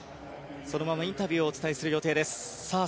そのままインタビューをお伝えする予定です。